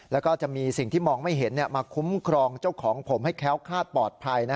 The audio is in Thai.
แล้วก็จะมีสิ่งที่มองไม่เห็นมาคุ้มครองเจ้าของผมให้แค้วคาดปลอดภัย